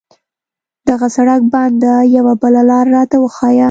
دغه سړک بند ده، یوه بله لار راته وښایه.